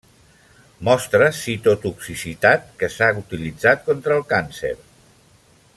Mostra citotoxicitat que s'ha utilitzat contra el càncer.